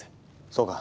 そうか。